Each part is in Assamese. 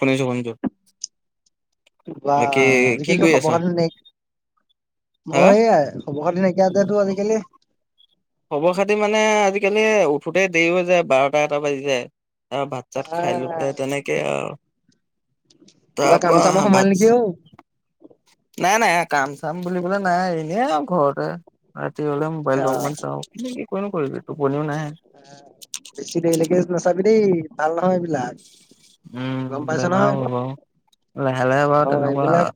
শুনিছোঁ, শুনিছোঁ। বা আজিকালো খবাত হা মই এ কবখত নাইকিয়া যে তোৰ আজিকালি খবৰ খাতি মানে আজিকালি উঠোতেই দেৰি হৈ যায় বাৰটা এটা বাজি যায়। আৰু ভাত, চাত খাইলৈ আহ তেনেকে আৰু। কিবা কাম তাপা চামত সোমাল ভাতচ। নেকি অ নাই, নাই। কাম চাম বুলিবলে নাই এনেই আৰু ঘৰতে ৰাতি হলে মোবাইলটো আহ অকমান চাওঁ কিন্তু কি কৰিনো কৰিবি টোপনিও নাহে বেছি দেৰিলেকে নাচাবি দেই। ভাল নহয়, এইবিলাক। গম উম পাইছ নহয় বেমাৰ হ'ব লাহে লাহে অ বাৰু তেনেকুৱা। এইবিলাক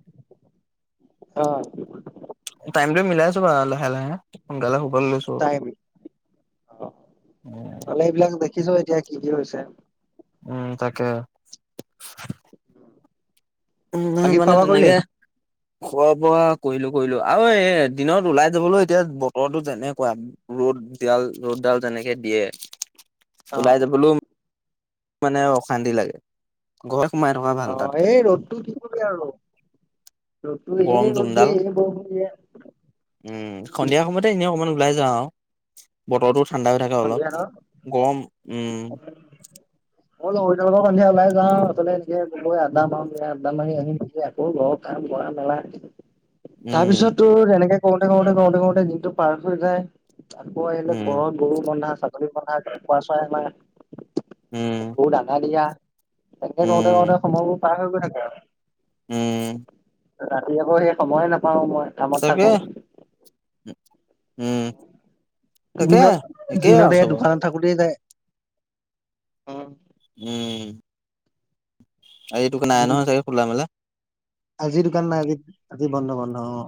অ' টাইমটো মিলাই চবা লাহে লাহে সোনকালে সোবাল লৈছো টাইম দেখিছয়ে এতিয়া কি, কি হৈছে। উম তাকে। উম বাকী মন খোৱা বোৱা কৰিলি তেনেকে। খোৱা বোৱা কৰিলো কৰিলো আৰু এ দিনত ওলাই যাবলৈ এতিয়া বতৰটো যেনেকুৱা ৰ'দ। ডাল ৰ'দ ডাল তেনেকে দিয়ে অ ওলাই যাবলৈও। মানে অশান্তি লাগে গ অ', এই ৰ'দটো কি কবি আৰু। তু গৰম য়ে ৰদ যোনডাল দিয়ে য়ে বৰষুণ দিয়ে। উম, সন্ধিয়া সময়তে এনেই অকণমান ওলাই যাওঁ। বতৰতো ঠাণ্ডা হৈ থাকে অলপ সন্ধিয়া ধৰ গৰম উম। অ লগৰ সন্ধিয়া ওলাই যাওঁ আচলতে এনে গৈ আড্ডা মাৰো দিয়া আড্ডা মাৰি আহিক আকৌ ঘৰত কাম। খোৱা মেলা তাৰ উম পিছত তোৰ এনেকে কৰোতে কৰোতে কৰোতে কৰোতে দিনটো পাৰ হৈ যায় আকৌ আহিলে উম ঘৰত গৰু বন্ধা ছাগলী বন্ধা খোৱা চাই আমাৰ। উম গৰু দানা দিয়া তেনেকে কৰওঁতে উম কৰওঁতে সময়বোৰ পাৰ হৈ গৈ থাকে আৰু। উম ৰাতি আকৌ সে সময়ে নাপাও মই কামত থাকো। তাকেহে দিনত একেই আৰু দিনতে চবৰ দোকানত থাকোতে যায়। উম উম এইটোক নাই নহয় চাগে খুলা মেলা আজিৰ দোকান নাই। আজি, আজি বন্ধ, বন্ধ অ'।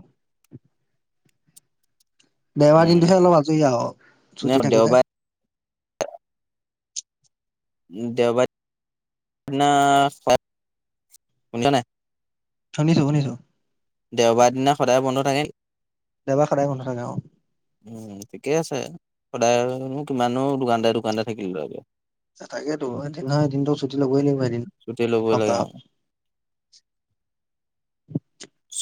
দেওবাৰ উম দিনটোহে অলপ আজৰি আৰু নে ছুটি থাকে যে। দেওবাৰে [inaudible] নাই। শুনিছো শুনিছো দেওবাৰ দিনা সদায় বন্ধ থাকে নেকি? দেওবাৰ সদায় বন্ধ থাকে অ। উম, ঠিকেই আছে। সদায়নো কিমানো দোকানতে, দোকানতে থাকিম [unintelligible] তাকেতো এদিন নহয় এদিনতো ছুটি ল'বই লাগিব এদিন, ছুটি ল'বই লাগে সপ্তাহত। আৰু। [inaudible]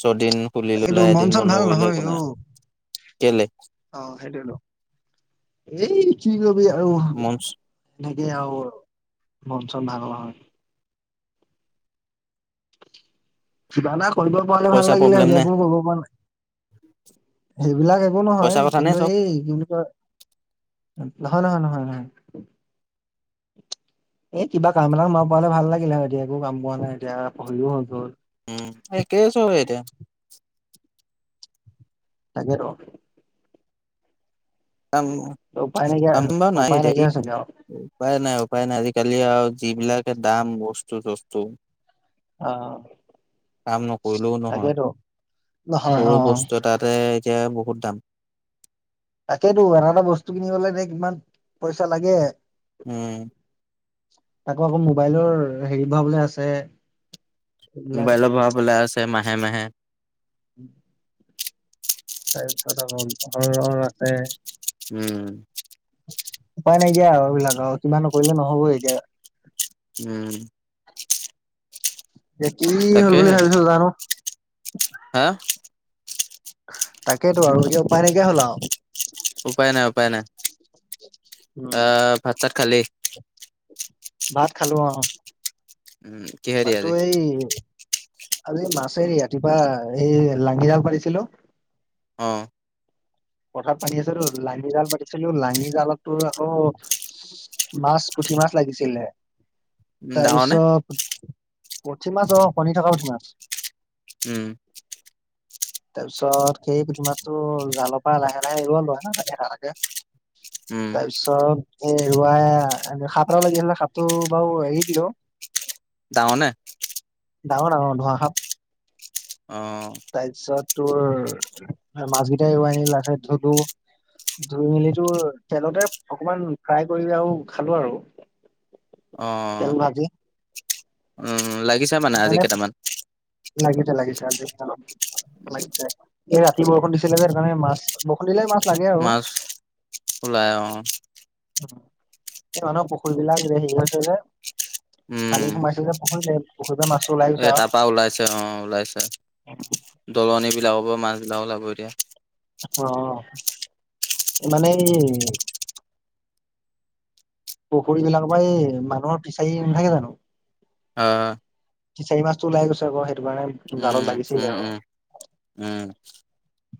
ছদিন খুলি লৈ পেলাই মন এদিন চন বন্ধ ভাল কৰিলে নহয় একো নাই অ'। কেলে অ 'সেইটোৱেটো এই কি কবি আৰু মন এ আৰু মন চন ভাল নহয় কিবা এটা কৰিব পৰালে ভাল পইচা লাগিলে প্ৰব্লেম হেৰি নে একো কৰিব পৰা নাই। সেইবিলাক একো পইচা নহয় কথা নে কিন্তু চব এই কি বুলি কয় ন নহয় নহয় নহয় নহয়। এ কিবা কাম এটা সোমাব পাৰিলে ভাল লাগিলে হয় দিয়া একো কাম বন নাই এতিয়া পঢ়িলিও হৈ গ'ল। উম এই কেইছ হয় এতিয়া? তাগে ৰ কাম, উপায় নাইকিয়া কামটো নাই উপায় এতিয়া নাইকিয়া কি হৈছেগে আৰু উপায় নাই উপায় নাই আজি কালিয়াও যিবিলাকে দাম বস্তু চস্তু। অ। কাম নকৰিলেও নহয় তাকেতো নহয় সৰু অ বস্তু এটাতে তিয়া বহুত দাম। তাকেটো আধা আধা বস্তু কিনিবলৈ এ কিমান পইচা লাগে। উম আকৌ আকৌ মোবাইলৰ হেৰি ভৰাবলে আছে। এইবিলাক মোবাইলত ভৰাবলে আছে মাহে মাহে। উম। তাইৰ পিছত আকৌ [unintelligible] আছে। উম। এয়া আৰু এইবিলাক আৰু কিবা নকৰিলে নহ'ব এতিয়া। উম। এতি কি হ'ল বুলি তাকেহে ভাবিছো জানোঁ হা তাকেইতো আৰু এতিয়া উপায় নাইকিয়া হল আৰু উপায় নাই উপায় নাই, উম আহ ভাতা চাত কালি ভাত খালোঁ অহ কিহেদি ভাতটো আজি এই, আজি মাছ- আছে ৰাতিপুৱা এই, লাঙিৰাল পাতিছিলোঁ। অহ পথাৰত পানি আছেতো, লাহি জাল পাতিছিলোঁ, লাহি জালত তোৰ আকৌ মাছ পুঠি মাছ লাগিছিলে উম ডাঙৰ নে তাৰপিছত পুঠি মাছ অ কণী থকা পুঠি মাছ। উম তাৰপিছত সেই পুঠি মাছটো জালৰ পৰা লাহে লাহে আহিব, লয়ে এটা‌ এটাকে উম তাৰপিছত এই এৰুৱাই সাপ এটাও লাগি‌ আছিলে, সাপটো বাৰু এৰি দিলোঁ। ডাঙৰনে ডাঙৰ ডাঙৰ ধুৱা সাপ অ তাৰপিছত তোৰ, মাছ কেইটা এৰোৱাই আনিলোঁ তাৰ পিছত তোৰ ধুই মেলি তোৰ তেলতে অকমান ফ্ৰাই কৰিলোঁ আৰু খালো আৰু তেল অঁ ভাজি মানে, লাগিদে লাগি‌ থাক এই ৰাতি বৰষুণ দিছিলে যে, সেকাৰণে মাছ, বৰষুণ দিলে মাছ লাগে আৰু মাছ ওলাই অহ এই মানুহ পুখুৰী বিলাক হেৰি‌ হৈছে যে উম পানী চোমাইছে যে পুখুৰী-পুখুৰীতে মাছো ওলাই গৈছে এ তাৰপা আৰু। অ দলন বিলাকৰ পৰা মাছবিলাকও লাগিব এতিয়া। অ, মানে ই পুখুৰীবলাকৰ পৰা এই মানুহৰ পিচাৰি নাথাকে জানো। অহ', ফিচাৰীৰ মাছটো ওলাই গৈছে আকৌ সেইটো কাৰণে উম জালত উম লাগিচিলে উম আৰু উম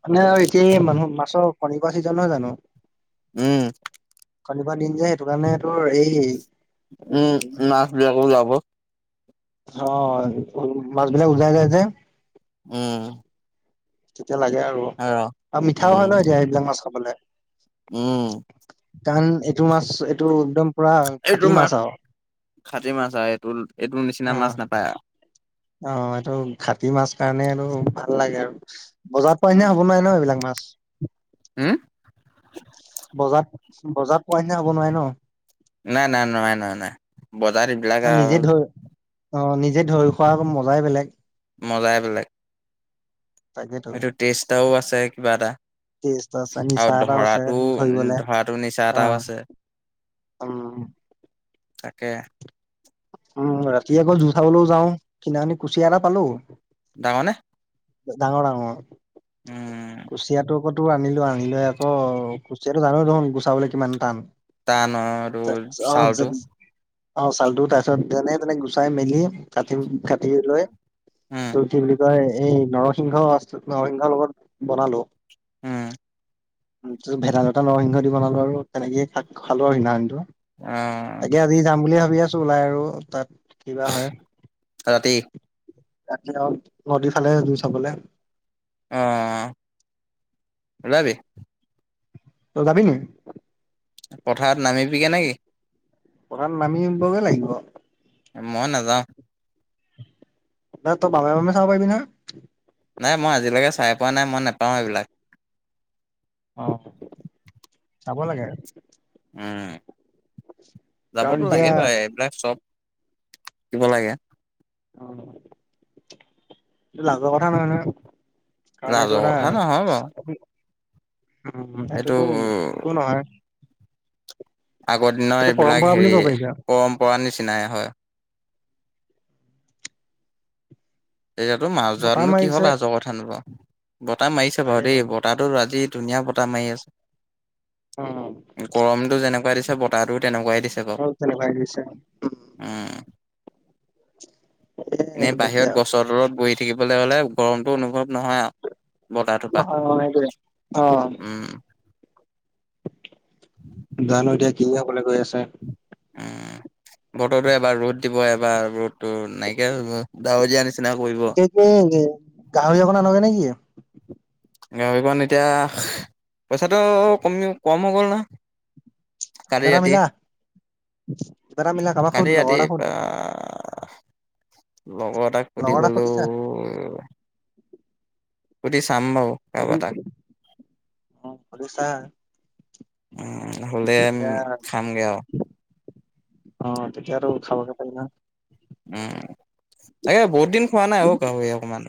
মানে আৰু এতিয়া এই মানুহ মাছৰ কণী পৰা ছিজন নহয় জানো? উম। কণী পৰা দিন যে, সেইটো কাৰণে তোৰ এই উম নাচবিলাকো যাব। অ, মাজবোৰে উলাই যাইজে উম। এতিয়া লাগে আৰু আৰু মিঠাও উম হয় ন এতিয়া এইবিলাক মাছ খাবলৈ। উম কাৰণ এইটো মাছ এইটো একদম পুৰা এইটো খাটি মাছ আৰু খাতি মাছ আৰু এইটো এইটোৰ অ নিচিনা মাছ নাপায় আৰু। অ, এইটো খাটি মাছ কাৰণে এইটো ভাল লাগে আৰু। বজাৰৰ পৰা এনে হ'ব নোৱাৰে ন এইবিলাক মাছ। উম বজাৰ বজাৰ পোৱা নাই হ'ব নোৱাই ন। নাই নাই নোৱাৰে নোৱাৰে নাই বজাৰত এইবিলাক আৰু অ'নিজে ধৰি খোৱা মজাই বেলেগ। মজাই বেলেগ। তাকেতো সেটো টেষ্ট এটাও আছে কিবা এটা। টেষ্ট আছে নিচা আৰু এটাও আছে ধৰাটো ধৰিবলে ধৰাটো নিচা অ এটাও আছে। উম। কে উম ৰাতি আকৌ জো চাবলৈও যাওঁ সিদনাখনি কুচিয়া এটা পালো। ডাঙৰ নে ডাঙৰ ডাঙৰ। উম। কুচিয়াটো আকতো আনিলো আনিলো আকৌ কুচিয়াতো জানই দেখোন গুচাবলৈ কিমান টান। তান আৰু এইটো চালটো। অ'চালটো তাৰপিছত যেনে তেনে গুচাই মেলি কাটি কাটি লৈ। উম তোৰ কি বুলি কয় এই নৰসিংহ আ নৰসিংহৰ লগত বনালো। উম। ছ ভেদাইলতা নৰসিংহ দি বনালো আৰু তেনেকে খা খালো আৰু সিদনাৰটো। অ তাকে আজি যাম বুলিয়ে ভাবি আছো ওলাই আৰু তাত। কিবা হয়। ৰাতি ৰাতি অ নদী ফালে জোই চাবলে। অহ' ওলাবি। তই যাবি নি। পথাৰত নামিবিগে নেকি? প্ৰথম নামিবগে লাগিব। মই নাযাওঁ। নহয় তই বাবাই মামি চাব পাৰবি নহয়। নাই মই আজিলৈকে চাই পোৱা নাই মই নোপাওঁ এইবিলাক। অ, চাব লাগে। উম, কাৰণ যাবতো এতিয়া লাগে বাৰু এইবিলাক চব কিবা লাগে। অ, লাজৰ কথা নহয় নহয়। কাৰণ এইটো লাজৰ না কথা নহয় বাৰু উম, এইটোতো এইটো টো নহয়। আগৰ দিনৰ এইটো এইবিলাক পৰম্পৰা বুলি হেৰি ক'ব পাৰিবি আৰু পৰম্পৰা নিচিনাই হয়। এতিয়াতো মাছ বতাহ ধৰাটোনো কিহৰ মাৰিছে লাজৰ কথা নো বাৰু। বতাহ মাৰিছে বাৰু তাকেতো দেই বতাহটো আজি ধুনীয়া বতাহ মাৰি আছে। অ গৰমটো যেনেকুৱা দিছে বতাহটো তেনেকুৱাই। দিছেক উম। আৰু তেনেকুৱাই দিছে এ এনে এতিয়া বাহিৰত গছৰ তলত গৈ থাকিবলৈ হ'লে গৰমতটো অনুভৱ নহয় আৰু বতাহটোপা নহয় অ সেইটোৱে অ উম। জানোঁ, এতিয়া কি হ'বলৈ গৈ আছে। উম, বতৰটো এবাৰ ৰ'দ দিব, এবাৰ ৰ'দতটো নাইকিয়া হ'ব, ডাৱৰীয়া নিচিনা। কৰিব। এ কি গাহৰি অকন আনগে নেকি? গাহৰি কণ, এতিয়া পইচাটো কমি কম হৈ গ'ল ন। কালি এটা ৰাতি, মিলা কিবা এটা মিলা কাৰোবাক সুধ কালি লগৰ ৰাতি এটা সুধ আহ। লগৰ এটাক সুধি লগৰ এটা গলোঁ। সুধিছা সুধি চাম বাৰু সুধি কাৰবাৰ এটাক। সুধি চা উম, হ'লে তেতিয়া খামগে আহ। অ, তেতিয়া আৰু খাব খ না। উম, তাকে বহুত দিন খোৱা নাই অ' গাহৰি অকমান।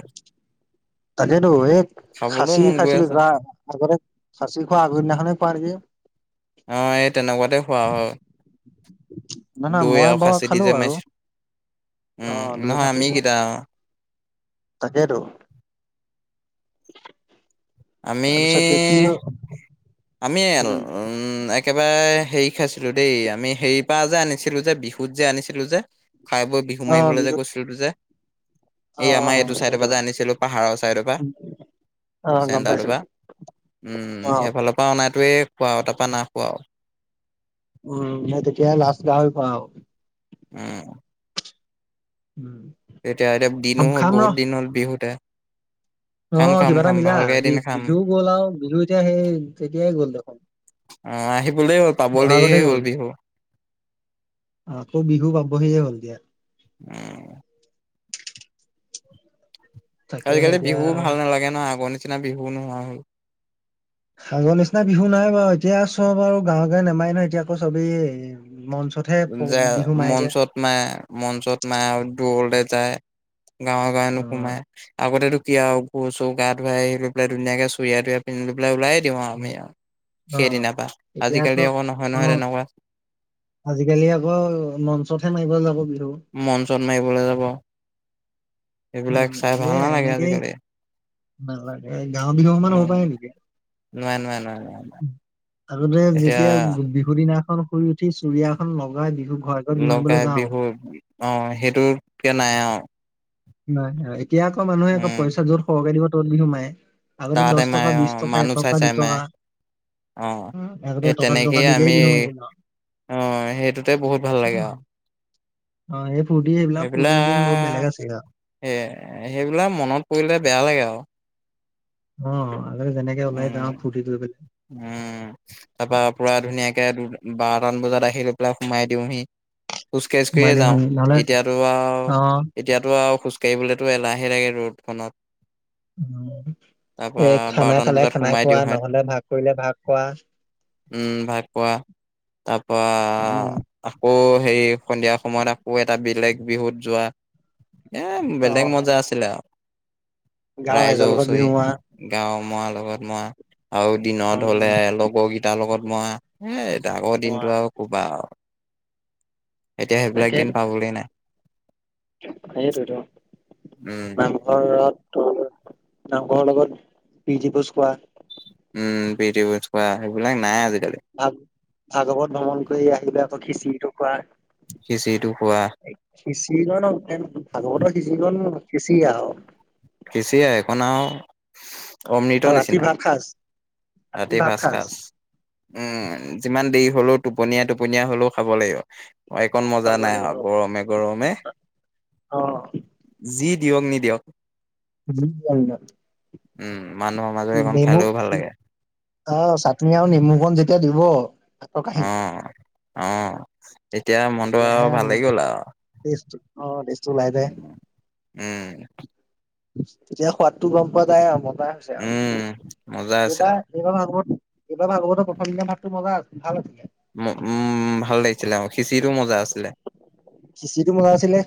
তাকেইেতো এই খাবলৈও খাচী মন গৈ খাইছিলোঁ আছে ধৰা আগতে। সাচি খোৱা আগদিনাখনে খোৱা নেকি। হয়, এই তেনেকুৱাতে খোৱা হয়। নহয় দৈ নহয় মই আৰু বাৰু সাঁচি দি খালো যে আৰু মাৰি অ উম, নহয় আমি কেইটা অ'। টাকে টো। আমি আমি এল উম উম, একেবাৰে এহ, হেৰি খাইছিলোঁ দেই আমি হেৰ পৰা যে আনিছিলোঁ যে বিহুত যে আনিছিলোঁ যে। খাই বৈ বিহু অ মাৰিবলৈ যে বিহুত গৈছিলোঁ যে। অ এই আমাৰ এইটো চাইড পৰা সেইটো যে আনিছিলোঁ, পাহাৰৰ চাইডৰ পৰা। অ গম চেন্তাৰটো পাইছো পাৰ অ উম, সেইফালৰ পৰা অননাটোৱে খোৱা, তাৰপৰা নাইখোৱা। উম ম তেতিয়া লাষ্ট গাৱে পা উম। এতিয়া এতিয়া দিনো উম হ'ল খাম বহুত ৰ দিন হ'ল বিহুতে খাম অ' খাম কিবা এটা খাম মিলা ভালকে এদিন খাম বিজু গ'ল আৰু বিজু এতিয়া সেই তেতিয়াই গ'ল দেখোন আহ আহিবলৈ হ'ল পাবলৈহে বহাগতে হ'ল গ'ল বিহু আকৌ বিহু পাবহিয়ে হ'ল। দিয়া উম তাকেহে আজিকালি বিহুও এতিয়া ভাল নালাগে ন আগৰ নিচিনা বিহু নোহোৱা হ'ল আগৰ নিচিনা বিহু নাই বাৰু এতিয়া চব আৰু গাঁৱে গাঁৱে নেমাই নহয় এতিয়া আকৌ চবেই মঞ্চতহে প- যে বিহু মাৰেগে মঞ্চত মায় মঞ্চত মায় দৌৰলে যায় গাঁৱে গাঁৱে অ নোসোমায় আগতে টো কিয়া হওক গু চওক গা ধুৱাই আহিল পেলাইুনীয়াক চুয়া তুই পন্ধ ল পেলাই লাই। দি আৰু আমি আৰু অ সেইদিনা প আজিকালি আকৌ নহয় অ নহয় তেনেকুৱা আজিকালি আকৌ মঞ্চত হে মাৰিব যাব বিহু মঞ্চত মাৰিবলৈ যাব। উম, এইবিলাক চাই উন্নইউচ নীৰা ভাল নব্বৈ এনেকে য়া নালাগে এনেকে। আজিকালি নালাগে গাওৰ বিহু মান হ'ব পাৰে নেকি? নাই-নাই-নাই। আগতে যেতিয়া বিহু দিনাখন শুই উঠি চুৰিয়াখন লগাই দি লগাই বিহু আহ সেইটোকে নাই আৰু। হয় হয় এতিয়া আকৌ মানুহে আকৌ উম পইচা য'ত সৰহকে দিব ত'ত বিহু মায়ে। আগতে তাতে দশ টকা মাৰে বি অ টকা মানুহ চাই এটকা দু চাই মাৰে টকা অ আগতে সেই টকা দু টকা তেনেকেই দিলেই আমি বি সিব ন অ' সেইটোতে বহুত ভাল লাগে আৰু অ' এই ফূৰ্তি এইবিলাক ফূৰ্তিৰ দিন বহুত সেইবিলাক বেলেগ আছে এ সেইবিলাক মনত পৰিলে বেয়া লাগে আৰু উ উম উম তাৰ পৰা ধুনীয়াকে বাৰটান বজাত আহি লৈ পেলাই সোমাই দিওঁহি খোজকাঢ়জ সোমাই কাঢ়িয়ে যাওঁ দিওঁহি নহ'লে এতিয়াতো আৰু অ', এতিয়াতো আৰু খোজ গ়লেতো এলাহে লাগে ৰ'দখনত তাৰপা এ খানা বাৰটামান খালে বজাত খানা সোমাই খোৱা দিওঁ হাত নহলে ভাগ কৰিলে ভাগ খোৱা। উম ভাগ খোৱা তাৰ পৰাৰা উম, আকৌ হেৰি সন্ধিয়া সময়ত আকৌ এটা বেলেগ বিহুত যোৱা এ বেলেগ অ', মজা আছিলে আৰু গাঁৱৰ ৰাইজৰ লগত ওচৰি বিহু মৰা গাঁও মাৰ লগত মই আৰু দিনত হলে উম। লগৰকেইটাৰ লগত মই এ আগৰ দিনটো আৰু কোবা আৰু এতিয়া সেইবিলাক দিন পাবলৈ নাই সেইটোতো উম নামঘৰত নামঘৰৰ লগত বিজিভোজ খোৱা উম বিট পঠোৱা সেইবিলাক নাই আজি ভাগ ভাগৱত ভ্ৰমণ কৰি আহিলে আকৌ খিচিৰিটো খোৱাৰ সিচিটো কোৱা সিঁচিৰিজন ভাগৱতৰ সিঁচিৰিজন সিঁচি আহ খিচিৰি একোন আৰু অমৃত আৰু ৰাতি নিচিনা ভাত সাজ ৰাতি ভাত খাজ উম যিমান দেৰি হলেও টোপনীয়া টোপনীয়া হলেও খাব লাগিব অ' এইকণ মজা খাব নাই লাগিব আৰু গৰমে গৰমে অ। যি দিয়ক নিদিয়ক বি ন উম উ নেমু আহ চাটনি আৰু নেমু কন যেতিয়া দিব কাহ অ', অ' এতিয়া মনটো তেতিয়াহে আৰু ভাল লাগি গ'ল আৰু টেষ্ট অ টেষ্টটো ওলাই উ যায় উম তেতিয়া সোৱাদটো গম পোৱা যায় আৰু মতা হৈছে উম। আৰু মজা আছে এইবাৰ আৰু এইবাৰ ভাগত এইবাৰ ভাগৱতৰ প্ৰথম দা মাততো মজা আছিল ভাল আছিলে উ উম ভাল লাগিছিলে অ' সিঁচিৰো মজা আছিলে সিচিটো মজা আছিলে